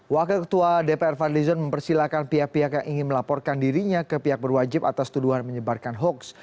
wakil ketua dpr fadli zon mempersilahkan pihak pihak yang ingin melaporkan dirinya ke pihak berwajib atas tuduhan menyebarkan hoaks